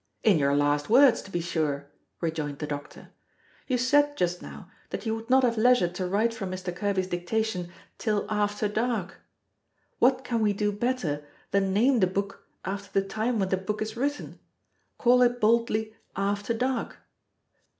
"In your last words, to be sure!" rejoined the doctor. "You said just now that you would not have leisure to write from Mr. Kerby's dictation till after dark. What can we do better than name the book after the time when the book is written? Call it boldly, _After dark.